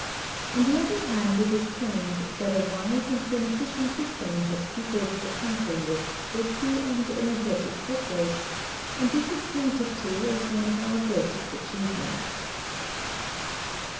On the other hand, it is claimed that a wise and benefi cent system has peopled the country with thrifty and energetic settlers, and this is pointed to as one of our greatest achievements.